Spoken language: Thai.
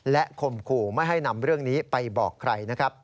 และข่มขู่ไม่ให้นำเรื่องนี้ไปบอกใครนะครับ